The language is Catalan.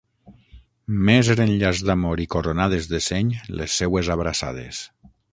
Més eren llaç d’amor i coronades de seny les seues abraçades.